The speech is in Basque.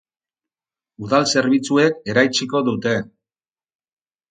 Udal zerbitzuek eraitsiko dute.